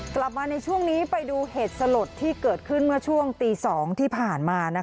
กลับมาในช่วงนี้ไปดูเหตุสลดที่เกิดขึ้นเมื่อช่วงตี๒ที่ผ่านมา